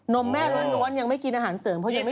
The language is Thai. นมแม่ร้วนยังไม่กินอาหารเสริม